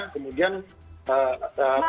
kemudian apa namanya